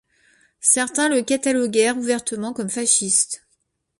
Certains le cataloguèrent ouvertement comme fasciste.